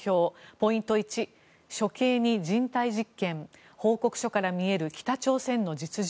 ポイント１、処刑に人体実験報告書から見える北朝鮮の実情。